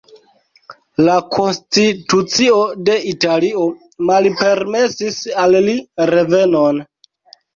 La konstitucio de Italio malpermesis al li revenon.